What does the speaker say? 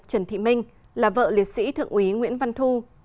trần thị minh là vợ liệt sĩ thượng úy nguyễn văn thu